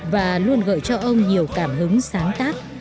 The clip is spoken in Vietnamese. và luôn gợi cho ông nhiều cảm hứng sáng tác